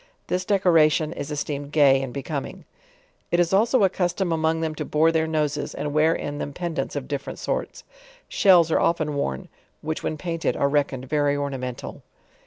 This decoration' is esteemed gay and becoming. It Is also a custom among them to bore their noses, and LEWIS AND CLARKE. 43 wear in them pendants of different sorts. Shells are often wore, which when painted are reckoned very ornamental.